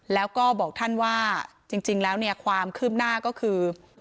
แล้วก็บอกท่านว่าจริงแล้วเนี่ยความคืบหน้าก็คือ